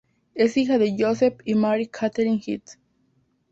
Es hija de Joseph y Mary Katherine Hinds.